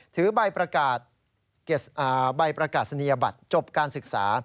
ถือใบประกาศเนียบัตรจบการศึกษา